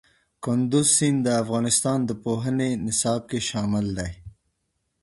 کندز سیند د افغانستان د پوهنې نصاب کې شامل دي.